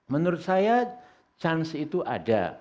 menurut saya chance itu ada